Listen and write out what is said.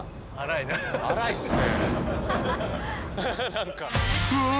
荒いっすね。